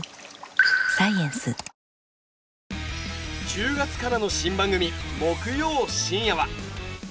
１０月からの新番組木曜深夜は。